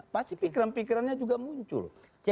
pasti pikiran pikirannya juga muncul